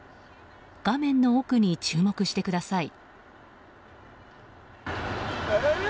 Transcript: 画面の奥に注目してください。